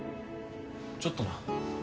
ちょっとな。